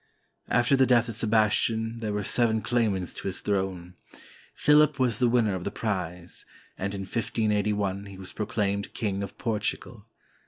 After the death of Sebastian there were seven claimants to his throne. Philip was the winner of the prize, and in 1581 he was proclaimed King of Portugal.